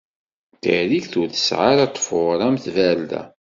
Tarikt ur tesɛa ara ṭṭfuṛ am tbarda.